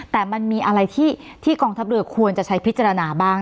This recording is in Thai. แต่มันมีอะไรที่กองทัพเรือควรจะใช้พิจารณาบ้าง